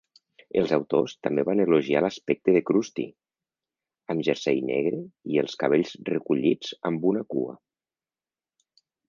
Els autors també van elogiar l'aspecte de Krusty, "amb jersei negre i els cabells recollits amb una cua".